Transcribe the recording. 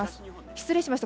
失礼しました。